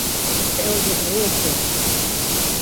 É outro produto.